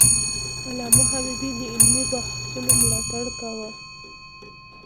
علامه حبيبي د علمي بحثونو ملاتړ کاوه.